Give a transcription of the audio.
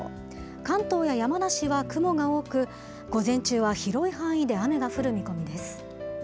関東や山梨は雲が多く、午前中は広い範囲で雨が降る見込みです。